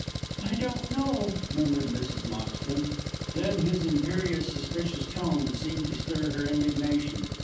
"I don't know," murmured Mrs. Moxton. Then his imperious, suspicious tone seemed to stir her indignation.